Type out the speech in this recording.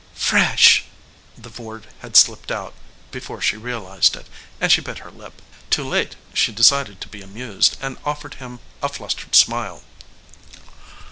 "Fresh!" the word had slipped out before she realized it, and she bit her lip. Too late she decided to be amused, and offered him a flustered smile.